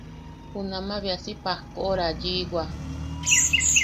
Junamaʼa bea si pajkoʼora yiʼiwa.